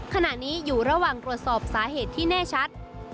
ขณะนี้อยู่ระหว่างตรวจสอบสาเหตุที่แน่ชัด